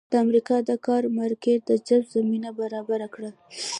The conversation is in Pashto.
د امریکا د کار مارکېټ د جذب زمینه برابره کړه.